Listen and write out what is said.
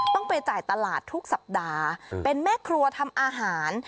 ต้องไปจ่ายตลาดทุกสัปดาห์เป็นแม่ครัวทำอาหาร